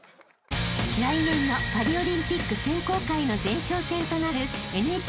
［来年のパリオリンピック選考会の前哨戦となる］